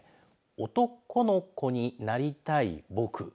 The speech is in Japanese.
おとこの子になりたいぼく。